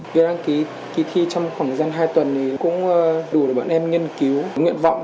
việc đăng ký thi trong khoảng thời gian hai tuần thì cũng đủ để bọn em nghiên cứu nguyện vọng